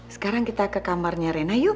sekarang kita ke kamarnya rena yuk